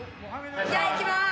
じゃあいきます。